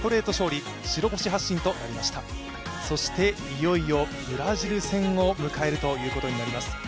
いよいよブラジル戦を迎えることになります。